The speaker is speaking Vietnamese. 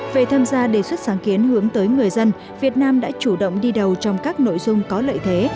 về tham gia đề xuất sáng kiến hướng tới người dân việt nam đã chủ động đi đầu trong các nội dung có lợi thế